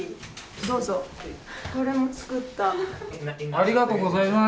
ありがとうございます。